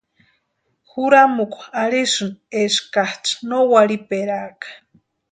Juramukwa arhisïni eskaksï no warhiperaaka.